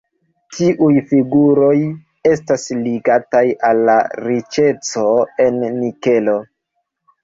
Tiuj figuroj estas ligataj al la riĉeco en nikelo.